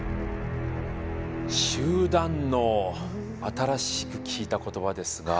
新しく聞いた言葉ですが。